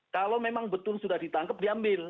kalau memang betul sudah ditangkap diambil